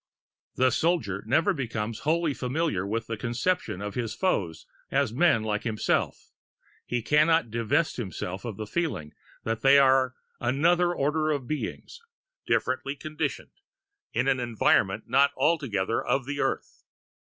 The soldier never becomes wholly familiar with the conception of his foes as men like himself; he cannot divest himself of the feeling that they are another order of beings, differently conditioned, in an environment not altogether of the earth.